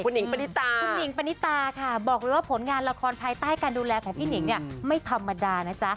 คุณหิงปณิตาค่ะบอกเลยว่าผลงานละครภายใต้การดูแลของพี่หนิงเนี่ยไม่ธรรมดานะจ๊ะ